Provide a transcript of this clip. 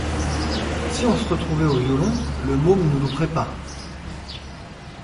Si on se retrouvait au violon, le môme nous louperait pas.